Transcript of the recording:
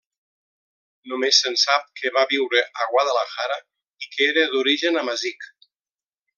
Només se'n sap que va viure a Guadalajara i que era d'origen amazic.